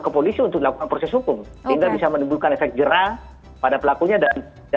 ke polisi untuk melakukan proses hukum sehingga bisa menimbulkan efek jerah pada pelakunya dan